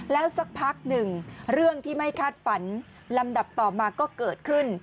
แล้วสักพักหนึ่งเรื่องที่ไม่คาดฝันลำดับต่อมาก็เกิดขึ้น